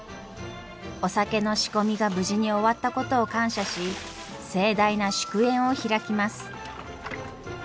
お酒の仕込みが無事に終わったことを感謝し盛大な祝宴を開きます。